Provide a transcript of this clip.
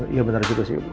iya bener juga sih